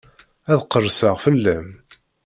Ad qerseɣ fell-am.